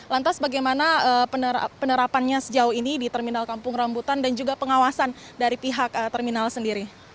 lantas bagaimana penerapannya sejauh ini di terminal kampung rambutan dan juga pengawasan dari pihak terminal sendiri